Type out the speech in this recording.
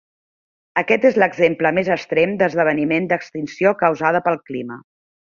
Aquest és l'exemple més extrem d'esdeveniment d'extinció causada pel clima.